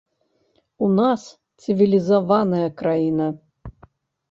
У нас цывілізаваная краіна.